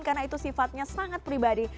karena itu sifatnya sangat pribadi